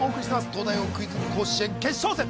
東大王クイズ甲子園決勝戦